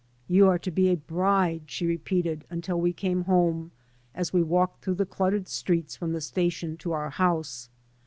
You are to be a bride," she repeated until we came home, as we walked through the cluttered streets from the station to our house.